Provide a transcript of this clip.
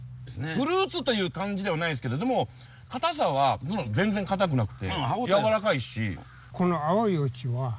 フルーツという感じではないですけどでも硬さは全然硬くなくてやわらかいし。